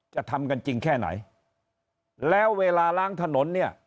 จะทำกันจริงแค่ไหนแล้วเวลาล้างถนนเนี่ย